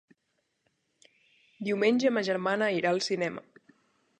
Diumenge ma germana irà al cinema.